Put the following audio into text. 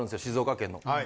静岡県の。